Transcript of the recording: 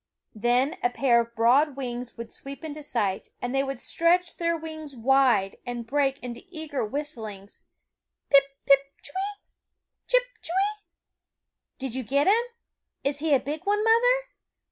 Then a pair of broad wings would sweep into sight, and they would stretch their wings wide THE WOODS and break into eager whistlings, Pip, pip, c/iwee ? chip, cliweeeeee ?" did you get him ? is he a big one, mother?